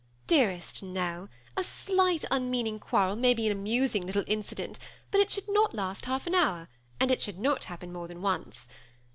Dear est Nell, a slight unmeaning quarrel may be an amusing little incident, but it should not last half an hour, and it should not happen more than once.